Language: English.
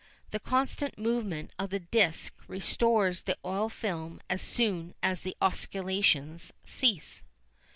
The constant movement of the disc restores the oil film as soon as the oscillations cease.